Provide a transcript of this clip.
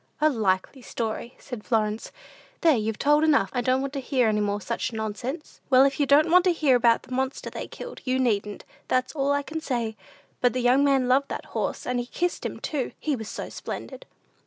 "A likely story," said Florence; "there, you've told enough! I don't want to hear any more such nonsense." "Well, if you don't want to hear about the monster they killed, you needn't; that's all I can say; but the young man loved that horse; and he kissed him, too, he was so splendid!"